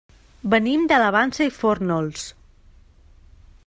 Venim de la Vansa i Fórnols.